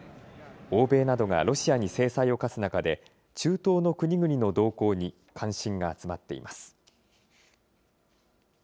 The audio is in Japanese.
欧米などがロシアに制裁を科す中で、中東の国々の動向に関心が集まっています。